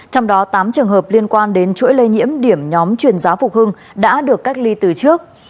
trong đó tám trường hợp liên quan đến chuỗi lây nhiễm điểm nhóm chuyển giáo phục hưng đã được cách ly từ trước